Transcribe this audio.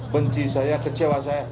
benci saya kecewa saya